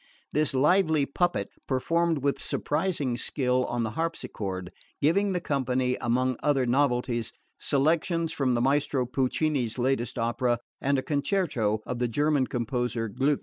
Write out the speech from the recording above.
This lively puppet performed with surprising skill on the harpsichord, giving the company, among other novelties, selections from the maestro Piccini's latest opera and a concerto of the German composer Gluck.